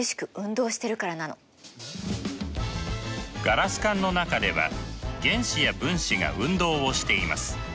ガラス管の中では原子や分子が運動をしています。